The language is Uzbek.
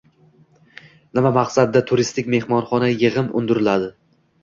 Nima maqsadda turistik-mehmonxona yig’im undiriladi?